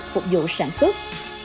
phục vụ sản xuất